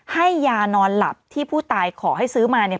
ให้ยานอนหลับที่ผู้ตายขอให้ซื้อมาเนี่ย